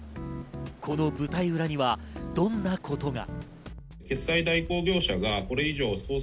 この舞台裏にはどんなことが。